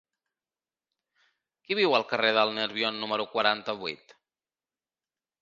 Qui viu al carrer del Nerbion número quaranta-vuit?